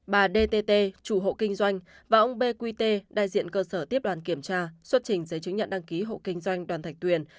bà dtt chủ hộ kinh doanh và ông bq tê đại diện cơ sở tiếp đoàn kiểm tra xuất trình giấy chứng nhận đăng ký hộ kinh doanh đoàn thạch tuyền